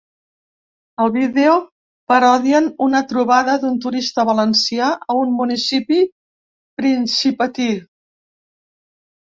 Al vídeo parodien una trobada d’un turista valencià a un municipi principatí.